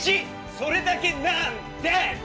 それだけなんデス！